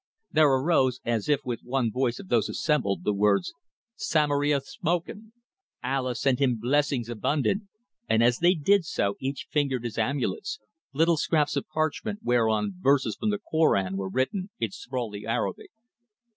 There arose, as if with one voice from those assembled, the words: "Samory hath spoken! Allah send him blessings abundant!" and as they did so each fingered his amulets, little scraps of parchment whereon verses from the Korân were written in sprawly Arabic.